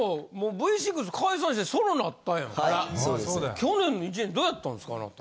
去年の１年どうやったんですかあなた。